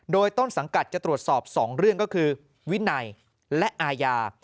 โดยต้นสังกัดจะตรวจสอบ๒เรื่องก็คือวินัยและอาญา